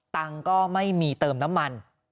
ตังค์ก็ไม่มีเติมน้ำมัน